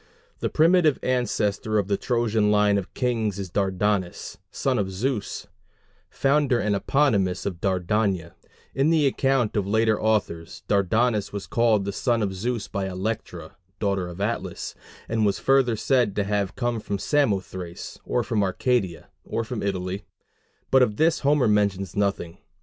The primitive ancestor of the Trojan line of kings is Dardanus, son of Zeus, founder and eponymus of Dardania: in the account of later authors, Dardanus was called the son of Zeus by Electra, daughter of Atlas, and was further said to have come from Samothrace, or from Arcadia, or from Italy; but of this Homer mentions nothing.